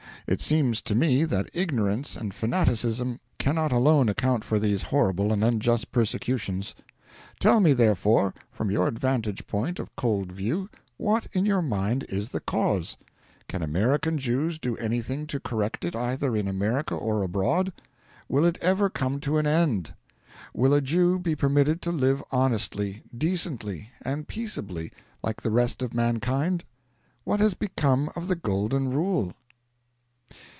It seems to me that ignorance and fanaticism cannot alone account for these horrible and unjust persecutions. 'Tell me, therefore, from your vantage point of cold view, what in your mind is the cause. Can American Jews do anything to correct it either in America or abroad? Will it ever come to an end? Will a Jew be permitted to live honestly, decently, and peaceably like the rest of mankind? What has become of the Golden Rule?'